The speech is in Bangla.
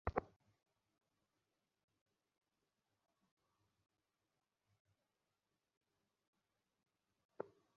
যেদিন তোমার শেষ পৃষ্ঠার শেষ ছত্রে উপসংহার লিখিয়া দিব, সেদিন আজ কোথায়!